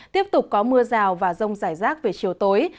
tiếp tục có mưa rào và rông rải rác về chiều tối